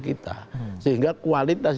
kita sehingga kualitas